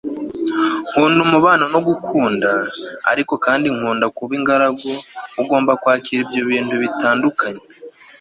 nkunda umubano no gukundana, ariko kandi nkunda kuba ingaragu - ugomba kwakira ibyo bintu bitandukanye